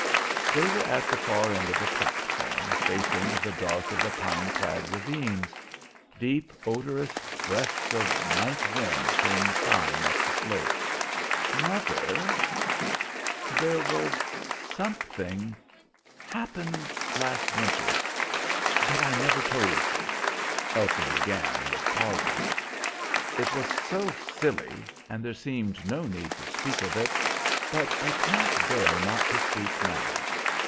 They were at the far end of the platform, facing the dark of the pine clad ravines. Deep, odorous breaths of night wind came sighing up the slopes. "Mother, there was something happened last winter that I never told you," Elsie began again, with pauses. "It was so silly, and there seemed no need to speak of it. But I can't bear not to speak now.